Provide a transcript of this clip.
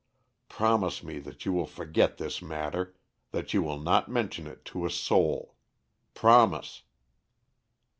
Promise me that you will forget this matter; that you will not mention it to a soul. Promise!"